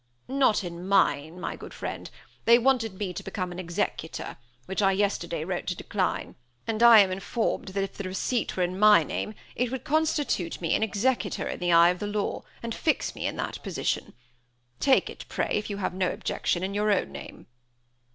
"Not in mine, my good friend. They wanted me to become an executor, which I, yesterday, wrote to decline; and I am informed that if the receipt were in my name it would constitute me an executor in the eye of the law, and fix me in that position. Take it, pray, if you have no objection, in your own name."